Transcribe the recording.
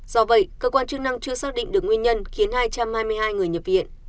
do vậy cơ quan chức năng chưa xác định được nguyên nhân khiến hai trăm hai mươi hai người nhập viện